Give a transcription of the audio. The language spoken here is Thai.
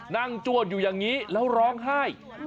จวดอยู่อย่างนี้แล้วร้องไห้